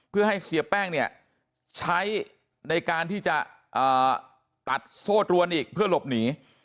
เพื่อให้เสียแป้งเนี่ยใช้ในการที่จะตัดโซ่ตรวนอีกเพื่อหลบหนี